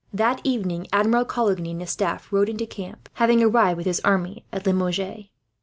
That evening Admiral Coligny and his staff rode into camp, having arrived with his army at Limoges.